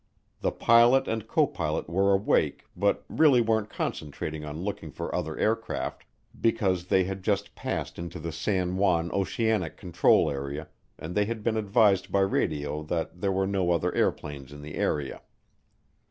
The pilot and copilot were awake but really weren't concentrating on looking for other aircraft because they had just passed into the San Juan Oceanic Control Area and they had been advised by radio that there were no other airplanes in the area.